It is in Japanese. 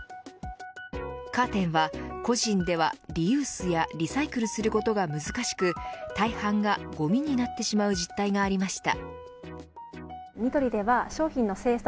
カーテンは個人ではリユースやリサイクルすることが難しく大半がごみになってしまう実態がありました。